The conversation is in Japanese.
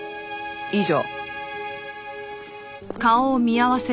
以上。